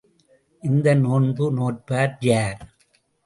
இந்த நோன்பு நோற்பார் யார்?